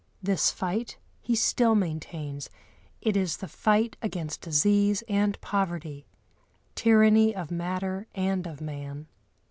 This fight he still maintains; it is the fight against disease and poverty, tyranny of matter and of man.